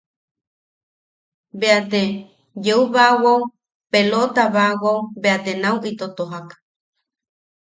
Bea te yeubaawao peloʼotabaawao bea te nau ito tojak.